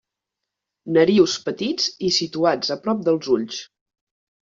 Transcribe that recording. Narius petits i situats a prop dels ulls.